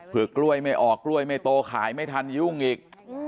เพื่อกล้วยไม่ออกกล้วยไม่โตขายไม่ทันยุ่งอีก